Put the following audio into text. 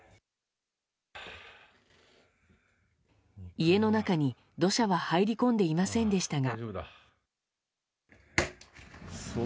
家の中に土砂は入り込んでいませんでしたが。